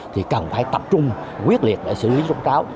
thì cần phải tập trung quyết liệt để xử lý rốt ráo